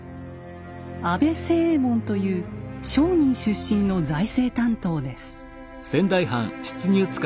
安倍清右衛門という商人出身の財政担当です。